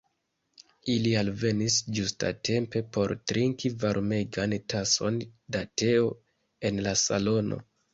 Ili alvenis ĝustatempe por trinki varmegan tason da teo en la salono.